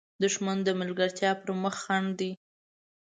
دښمن د ملګرتیا پر مخ خنډ دی